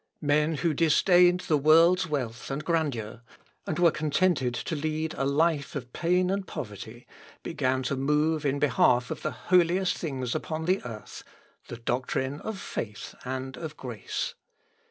Men who disdained the world's wealth, and grandeur, and were contented to lead a life of pain and poverty, began to move in behalf of the holiest thing upon the earth the doctrine of faith and of grace.